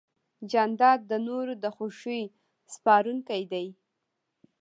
جانداد د نورو د خوښۍ سپارونکی دی.